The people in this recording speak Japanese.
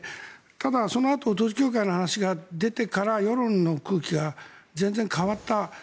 ただ、そのあと統一教会の話が出てから世論の空気が全然変わった。